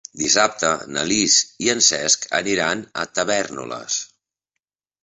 Dissabte na Lis i en Cesc aniran a Tavèrnoles.